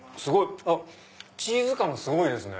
チーズ感がすごいですね。